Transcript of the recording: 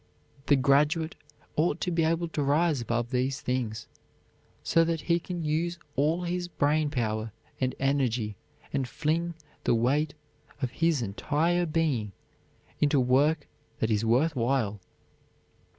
The graduate ought to be able to rise above these things so that he can use all his brain power and energy and fling the weight of his entire being into work that is worth while.